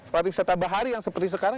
pariwisata bahari yang seperti sekarang